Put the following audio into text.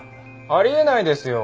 あり得ないですよ。